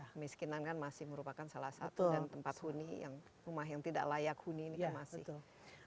kemiskinan kan masih merupakan salah satu dan tempat huni yang rumah yang tidak layak huni ini kan masih